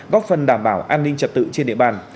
góp phần đảm bảo an ninh trật tự trên địa bàn